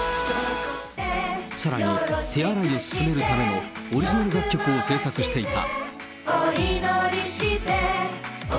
さらに、手洗いをすすめるためのオリジナル楽曲を制作していた。